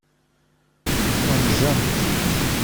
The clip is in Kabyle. Unzent.